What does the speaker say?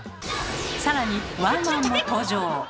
さらにワンワンも登場！